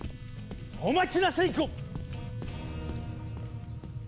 お待ちなさい！